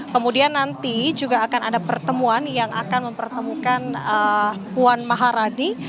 kemudian nanti juga akan ada pertemuan yang akan mempertemukan puan maharani